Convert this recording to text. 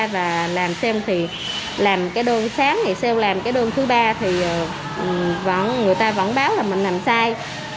và làm xem thì làm cái đơn sáng ngày xem làm cái đơn thứ ba thì người ta vẫn báo là mình làm sai